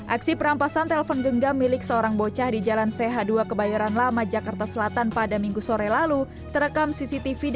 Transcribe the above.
aksi perampasan telepon genggam milik seorang bocah di jalan ch dua kebayoran lama jakarta selatan berhasil ditangkap polres metro jakarta selatan